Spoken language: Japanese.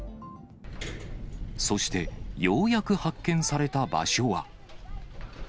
そしてようやく発見された場所は。